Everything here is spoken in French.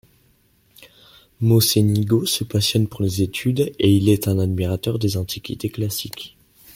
Mocenigo se passionne pour les études et il est un admirateur des antiquités classiques.